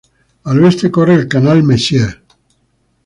Al oeste corre el canal Messier.